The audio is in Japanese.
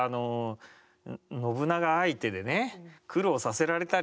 信長相手でね苦労させられたり。